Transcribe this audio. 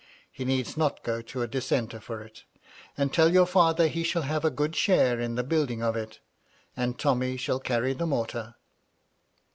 He need not go to a Dissenter for it. And tell your father he shall have a good share in the building of it, and Tommy shall carry the mortar."